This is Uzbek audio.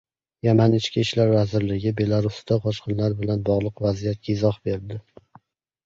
Yaman ichki ishlar vazirligi Belarusda qochqinlar bilan bog‘liq vaziyatga izoh berdi